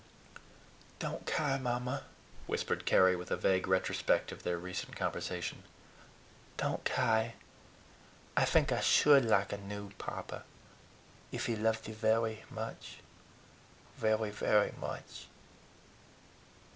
"Don't ky, Mamma," whispered Carry, with a vague retrospect of their recent conversation. "Don't ky. I fink I SHOULD like a new papa, if he loved you very much very, very much!"